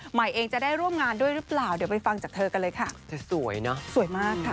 ใหม่เองจะได้ร่วมงานด้วยหรือเปล่าเดี๋ยวไปฟังจากเธอกันเลยค่ะเธอสวยเนอะสวยมากค่ะ